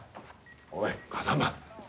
おい風真。